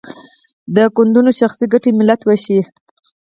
د ګوندونو شخصي ګټې ملت ویشي.